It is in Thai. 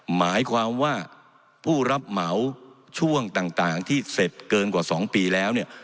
หมายความว่าผู้รับเหมาช่วงต่างที่เสร็จเกินกว่า๒ปีแล้วเนี่ย